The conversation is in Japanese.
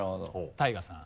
ＴＡＩＧＡさん。